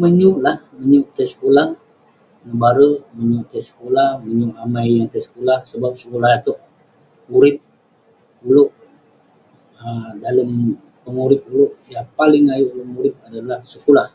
Menyuk lah, menyuk tai sekulah, nebarek, menyuk tai sekulah, menyuk amai yeng tai sekulah sebab..sekulah itouk urip ulouk, um dalem pengurip ulouk, yah paling ayuk ulouk murip adalah sekulah..